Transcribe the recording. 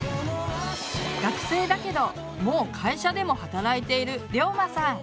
学生だけどもう会社でも働いているりょうまさん。